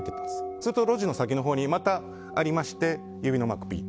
すると、路地の先のほうにまたありまして指のマーク、ピッ。